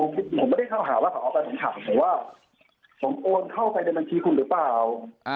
ผมไม่ได้เข้าหาว่าเขาเอาไปผมถามผมว่าผมโอนเข้าไปในบัญชีคุณหรือเปล่า